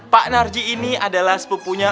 pak narji ini adalah sepupunya